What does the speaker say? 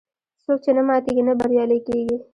څوک چې نه ماتیږي، نه بریالی کېږي.